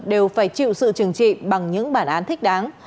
đều phải chịu sự trừng trị bằng những bản án thích đáng